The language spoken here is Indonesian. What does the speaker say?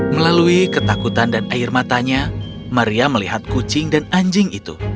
melalui ketakutan dan air matanya maria melihat kucing dan anjing itu